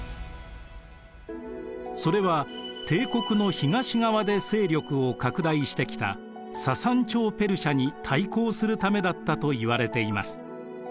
それは帝国の東側で勢力を拡大してきたササン朝ペルシアに対抗するためだったといわれています。